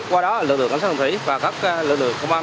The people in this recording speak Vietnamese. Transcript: qua đó lực lượng cảnh sát đường thủy và các lực lượng công an